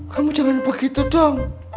kamu jangan begitu dong